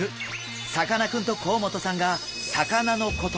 さかなクンと甲本さんが魚のこと